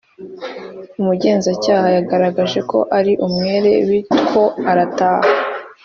Umugenza cyaha yagaragaje ko ari umwere bitwo arataha